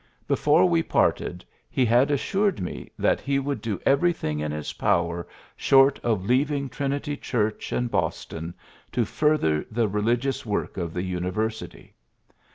Before we parted, he had assured me that he would do everything in his power, short of leaving Trinity Church and Boston, to further the religious work of the uni versity.